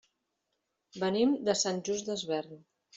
Venim de Sant Just Desvern.